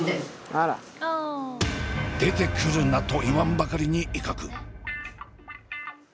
「出てくるな！」と言わんばかりに威嚇。